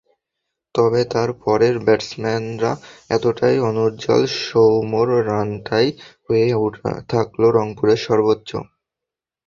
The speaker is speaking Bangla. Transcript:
তবে তাঁর পরের ব্যাটসম্যানরা এতটাই অনুজ্জ্বল, সৌম্যর রানটাই হয়ে থাকল রংপুরের সর্বোচ্চ।